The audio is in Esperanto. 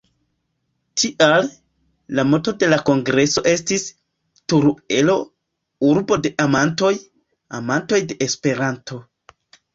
Tial, la moto de la kongreso estis: "Teruelo, urbo de amantoj, amantoj de Esperanto".